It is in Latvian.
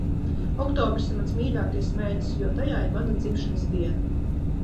Oktobris ir mans mīļākais mēnesis, jo tajā ir mana dzimšanas diena.